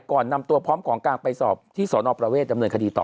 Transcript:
ก่อนนำตัวพร้อมของกลางไปสอบที่สอนอประเวทดำเนินคดีต่อ